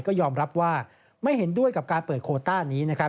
ก็ยอมรับว่าไม่เห็นด้วยกับการเปิดโคต้านี้นะครับ